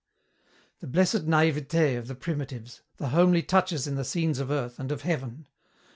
The blessed naïveté of the Primitives, the homely touches in the scenes of earth and of heaven!